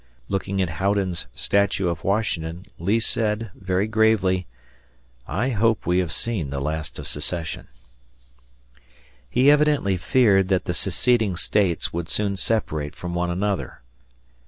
Looking at Houdon's statue of Washington, Lee said, very gravely, "I hope we have seen the last of secession." He evidently feared that the seceding States would soon separate from one another.